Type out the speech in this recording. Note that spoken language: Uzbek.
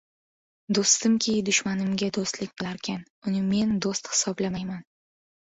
Do‘stimki, dushmanimga do‘stlik qilarkan, uni men do‘st hisoblamayman.